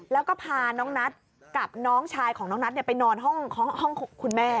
แล้วก็พาน้องนัทกับน้องชายของน้องนัทไปนอนห้องคุณแม่